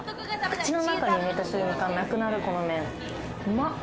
口の中に入れた瞬間なくなる、この麺。